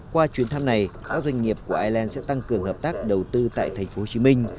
qua chuyến thăm này các doanh nghiệp của ireland sẽ tăng cường hợp tác đầu tư tại thành phố hồ chí minh